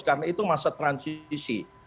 karena itu masa transisi